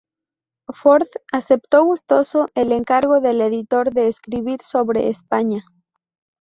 Ford aceptó gustoso el encargo del editor de escribir sobre España.